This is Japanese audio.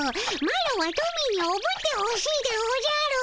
マロはトミーにおぶってほしいでおじゃる。